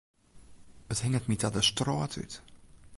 It hinget my ta de strôt út.